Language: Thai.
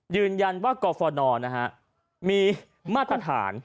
ยืนยันว่ากรฟนมีมาตรฐาน